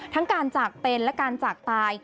ทั้งการจากเป็นและการจากตาย